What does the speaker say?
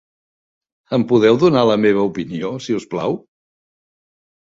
Em podeu donar la meva opinió, si us plau?